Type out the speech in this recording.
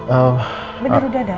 bener udah ada